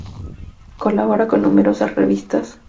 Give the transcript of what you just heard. Colabora con numerosas revistas como Bohemia y Cúspide.